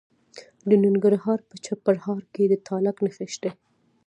د ننګرهار په چپرهار کې د تالک نښې شته.